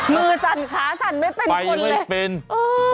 มือสั่นขาสั่นไม่เป็นคน